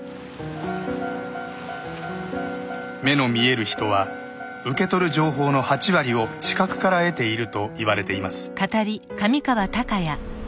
目の見える人は受け取る情報の８割を視覚から得ているといわれています。